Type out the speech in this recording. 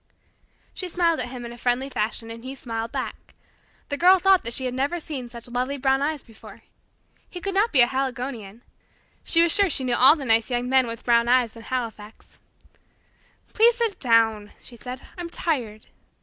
She smiled at him in a friendly fashion, and he smiled back. The Girl thought that she had never seen such lovely brown eyes before. He could not be a Haligonian. She was sure she knew all the nice young men with brown eyes in Halifax. "Please sit down," she said plaintively. "I'm tired."